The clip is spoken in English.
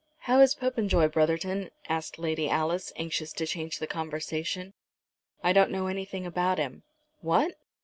"How is Popenjoy, Brotherton?" asked Lady Alice, anxious to change the conversation. "I don't know anything about him." "What!"